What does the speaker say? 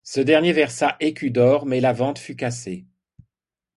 Ce dernier versa écus d'or mais la vente fut cassée.